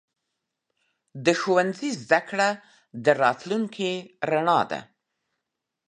د ښوونځي زده کړه راتلونکې رڼا ده.